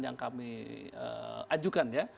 yang kami ajukan